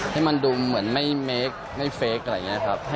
ให้มันดูเหมือนไม่เค้กไม่เค้กอะไรอย่างนี้ครับ